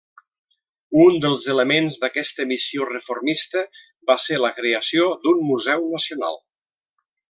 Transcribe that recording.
Un dels elements d'aquesta missió reformista va ser la creació d'un museu nacional.